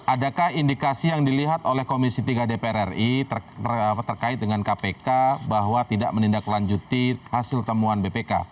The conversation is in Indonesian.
adakah indikasi yang dilihat oleh komisi tiga dpr ri terkait dengan kpk bahwa tidak menindaklanjuti hasil temuan bpk